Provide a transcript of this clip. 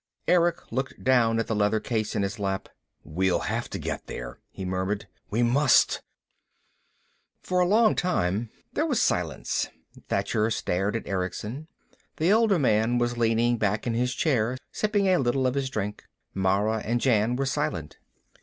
Erick looked down at the leather case in his lap. "We'll have to get there," he murmured. "We must!" For a long time there was silence. Thacher stared at Erickson. The older man was leaning back in his chair, sipping a little of his drink. Mara and Jan were silent.